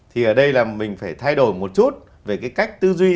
thì ở đây là mình phải thay đổi một chút về cái cách tư duy